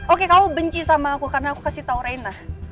oke kamu benci sama aku karena aku kasih tau reina